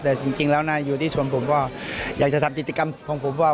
แต่จริงแล้วนะอยู่ที่ชนผมก็อยากจะทำกิจกรรมของผมว่า